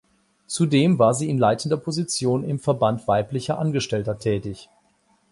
Zudem war sie in leitender Position im Verband weiblicher Angestellter tätig.